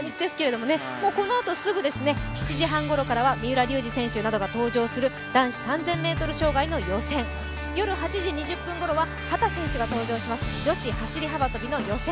このあとすぐ７時半ごろからは三浦龍司選手などが登場する男子３０００ｍ障害の予選、夜８時２０分ごろは、秦選手が登場します女子走幅跳の予選。